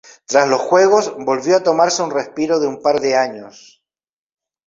Tras los Juegos volvió a tomarse un respiro de un par de años.